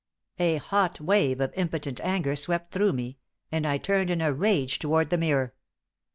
A hot wave of impotent anger swept through me, and I turned in a rage toward the mirror.